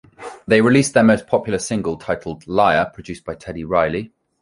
They released their most popular single titled "Liar", produced by Teddy Riley.